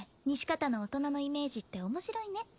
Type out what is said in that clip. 西片の大人のイメージって面白いね。